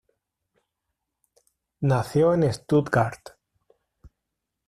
Nació en Stuttgart.